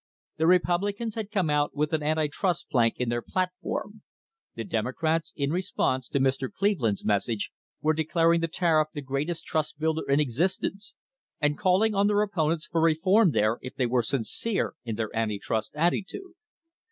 The Republicans had come out with an anti trust plank in their platform; the Demo crats, in response to Mr. Cleveland's message, were declar ing the tariff the greatest trust builder in existence, and call ing on their opponents for reform there if they were sincere in their anti trust attitude.